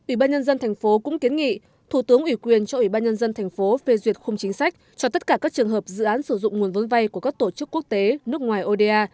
ubnd tp hcm cũng kiến nghị thủ tướng ủy quyền cho ubnd tp hcm phê duyệt khung chính sách cho tất cả các trường hợp dự án sử dụng nguồn vấn vay của các tổ chức quốc tế nước ngoài oda